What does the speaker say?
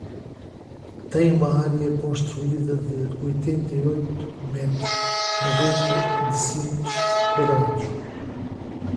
Tem uma área construída de oitenta e oito metros, noventa decímetros quadrados.